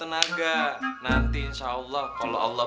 ini jadi bawah